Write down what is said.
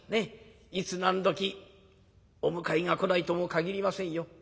いつ何時お迎えが来ないとも限りませんよ。